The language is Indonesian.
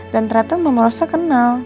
dan ternyata mama rosa kenal